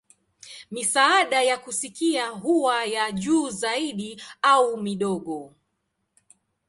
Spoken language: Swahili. Misaada ya kusikia huwa ya juu zaidi au midogo.